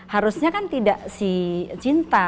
harusnya kan tidak si cinta